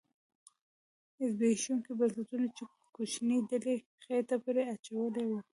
زبېښوونکو بنسټونو چې کوچنۍ ډلې خېټه پرې اچولې وه